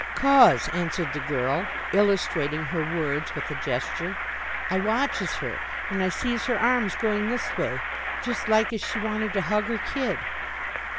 "'Cause," answered the girl, illustrating her words with a gesture, "I watches her, and I sees her arms going this way, just like as she wanted to hug her kid."